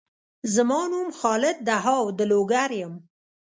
زما نوم خالد دهاو د لوګر یم